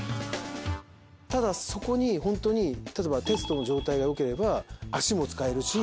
ただそこにホントに例えば哲人の状態が良ければ足も使えるし。